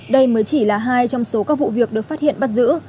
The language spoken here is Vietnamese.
đây mới chỉ là hai trong số các vụ việc được phát hiện bắt giữ